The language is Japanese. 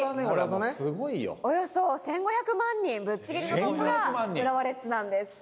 およそ１，５００万人ぶっちぎりのトップが浦和レッズなんです。